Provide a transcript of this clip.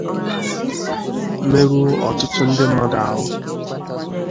merụọ ọtụtụ ndị mmadụ ahụ